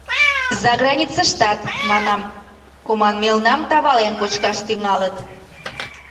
Заграницыштат, манам, команмелнам тавален кочкаш тӱҥалыт.